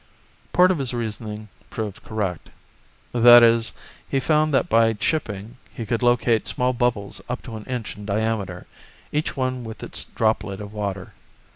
Part of his reasoning proved correct. That is, he found that by chipping, he could locate small bubbles up to an inch in diameter, each one with its droplet of water.